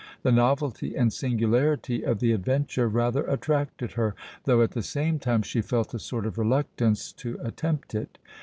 The novelty and singularity of the adventure rather attracted her, though, at the same time, she felt a sort of reluctance to attempt it.